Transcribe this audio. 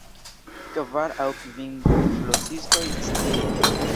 Kvar aŭ kvin flosistoj stiris.